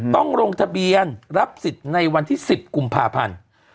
ต้องลงทะเบียนรับสิทธิ์ในวันที่๑๐กุมภาพันธ์